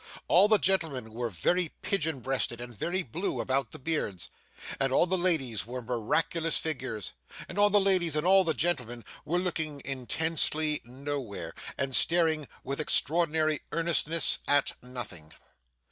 All the gentlemen were very pigeon breasted and very blue about the beards; and all the ladies were miraculous figures; and all the ladies and all the gentlemen were looking intensely nowhere, and staring with extraordinary earnestness at nothing.